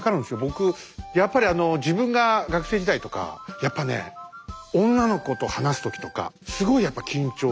僕やっぱりあの自分が学生時代とかやっぱね女の子と話す時とかすごいやっぱ緊張しましたから。